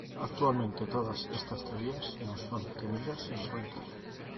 Actualmente todas estas teorías no son tenidas en cuenta.